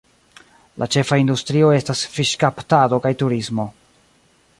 La ĉefaj industrioj estas fiŝkaptado kaj turismo.